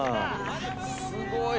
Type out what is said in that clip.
すごい。